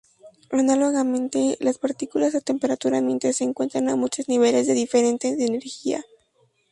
Análogamente, las partículas a temperatura ambiente se encuentran a muchos niveles diferentes de energía.